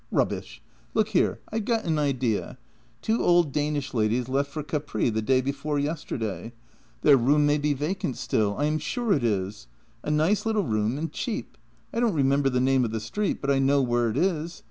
"Rubbish! Look here, I've got an idea! Two old Danish ladies left for Capri the day before yesterday. Their room may be vacant still. I am sure it is. A nice little room and cheap. I don't remember the name of the street, but I know where it is.